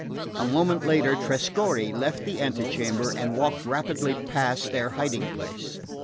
A moment later Trescorre left the antechamber and walked rapidly past their hiding place.